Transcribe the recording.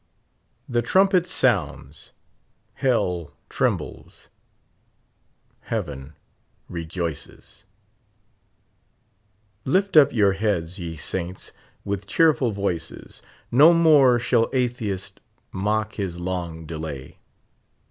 50 The trumpet sounds, Hell trembles, Heaven rejoices ; Lift up your heads, ye saints, with cheerful voices, No more shall atheist mock his long delay.